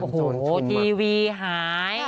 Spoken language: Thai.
โฮ้ทีวีหาย